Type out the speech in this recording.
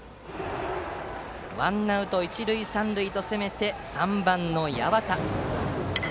ワンアウト、一塁三塁と攻めて３番の八幡。